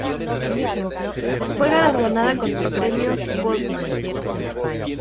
Fue galardonada con el Premios Goldman.